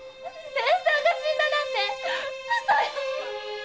姉さんが死んだなんてうそよ！